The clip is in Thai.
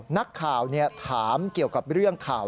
นักข่าวถามเกี่ยวกับเรื่องข่าว